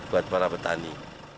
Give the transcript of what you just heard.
buat para petani